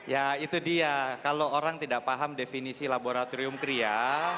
ya itu dia kalau orang tidak paham definisi laboratorium kria